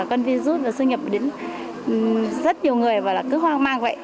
con virus xuyên nhập đến rất nhiều người và cứ hoang mang vậy